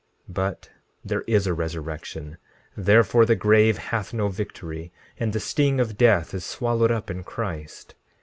16:8 But there is a resurrection, therefore the grave hath no victory, and the sting of death is swallowed up in Christ.